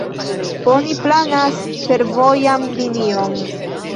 Oni planas fervojan linion.